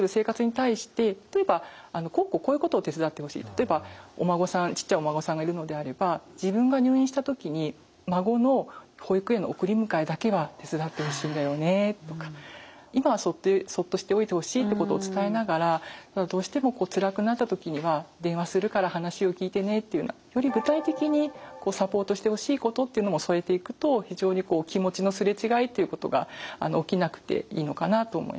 例えばちっちゃいお孫さんがいるのであれば自分が入院した時に孫の保育園の送り迎えだけは手伝ってほしいんだよねとか今はそっとしておいてほしいってことを伝えながらどうしてもつらくなった時には電話するから話を聞いてねっていうようなより具体的にサポートしてほしいことっていうのも添えていくと非常に気持ちの擦れ違いっていうことが起きなくていいのかなと思います。